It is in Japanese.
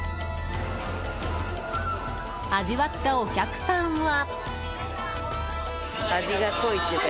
味わったお客さんは。